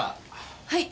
はい。